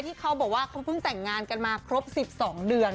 เขาบอกว่าเขาเพิ่งแต่งงานกันมาครบ๑๒เดือน